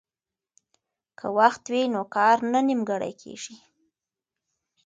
که وخت وي نو کار نه نیمګړی کیږي.